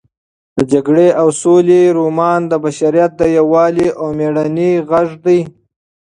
د جګړې او سولې رومان د بشریت د یووالي او مېړانې غږ دی.